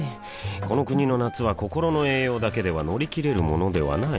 この国の夏は心の栄養だけでは乗り切れるものではない